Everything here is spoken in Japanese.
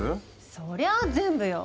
そりゃあ全部よ。